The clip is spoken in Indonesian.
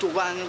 cuma ini doang